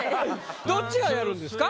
どっちがやるんですか？